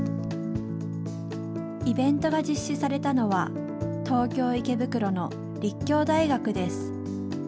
イベントが実施されたのは東京・池袋の立教大学です。